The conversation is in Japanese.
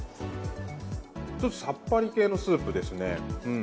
ちょっとさっぱり系のスープですね。